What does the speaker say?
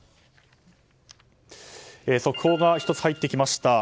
速報が１つ入ってきました。